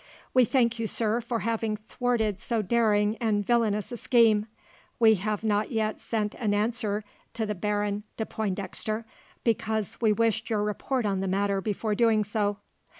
"We thank you, sir, for having thwarted so daring and villainous a scheme. We have not yet sent an answer to the Baron de Pointdexter, because we wished your report of the matter before doing so.